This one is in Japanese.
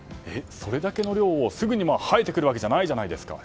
それだけの量、すぐに生えてくるわけじゃないですよね。